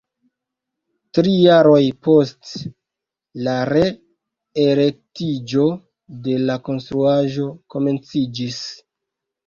Tri jaroj poste, la re-erektiĝo de la konstruaĵo komenciĝis.